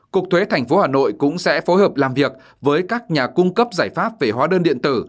cục thuế tp hà nội cũng sẽ phối hợp làm việc với các nhà cung cấp giải pháp về hóa đơn điện tử